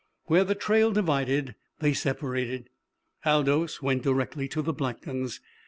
Where the trail divided they separated. Aldous went directly to the Blacktons'.